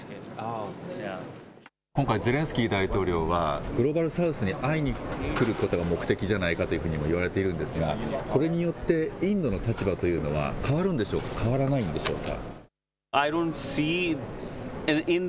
今回、ゼレンスキー大統領は、グローバル・サウスに会いに来ることが目的じゃないかというふうにもいわれているんですが、これによってインドの立場というのは変わるんでしょうか、変わらないんでしょうか。